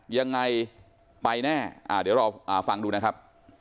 ยังไงไปแน่เดี๋ยวรอฟังดูนะครับ